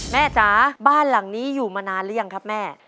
จ๋าบ้านหลังนี้อยู่มานานหรือยังครับแม่